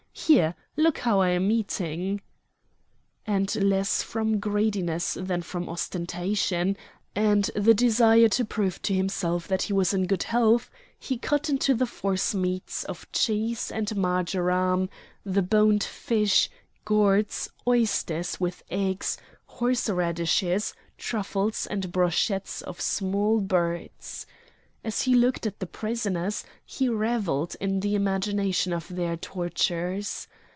Here! look how I am eating!" And less from greediness than from ostentation, and the desire to prove to himself that he was in good health, he cut into the forcemeats of cheese and marjoram, the boned fish, gourds, oysters with eggs, horse radishes, truffles, and brochettes of small birds. As he looked at the prisoners he revelled in the imagination of their tortures.